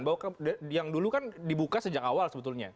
bahwa yang dulu kan dibuka sejak awal sebetulnya